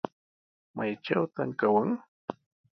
¿Maytrawtaq kawan?